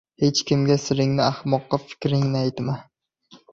• Hech kimga siringni, ahmoqqa fikringni aytma.